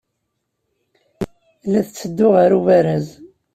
La tetteddu ɣer ubaraz.